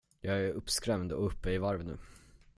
Jag är uppskrämd och uppe i varv nu.